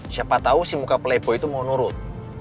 siapa tau si muka playboy itu mau nurut